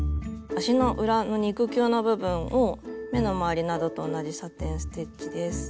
足の裏の肉球の部分を目の周りなどと同じサテン・ステッチです。